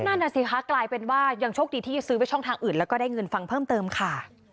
นั่นน่ะสิคะกลายเป็นว่ายังโชคดีที่ซื้อไปช่องทางอื่นแล้วก็ได้เงินฟังเพิ่มเติมค่ะ